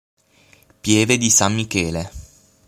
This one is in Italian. Pieve di San Michele